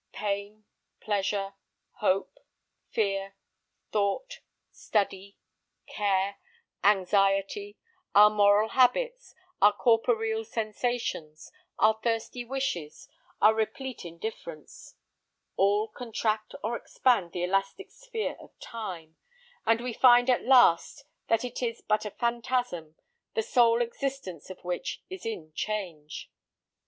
Pain, pleasure, hope, fear, thought, study, care, anxiety, our moral habits, our corporeal sensations, our thirsty wishes, our replete indifference; all contract or expand the elastic sphere of time, and we find at last that it is but a phantasm, the sole existence of which is in change.